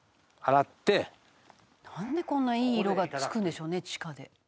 「なんでこんないい色がつくんでしょうね地下で」